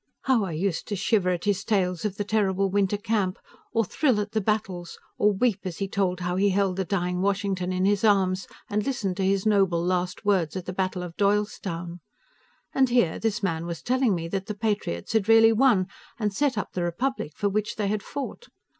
How I used to shiver at his tales of the terrible winter camp, or thrill at the battles, or weep as he told how he held the dying Washington in his arms, and listened to his noble last words, at the Battle of Doylestown! And here, this man was telling me that the Patriots had really won, and set up the republic for which they had fought!